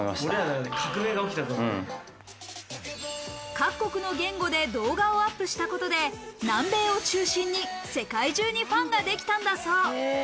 各国の言語で動画をアップしたことで、南米を中心に世界中にファンができたんだそう。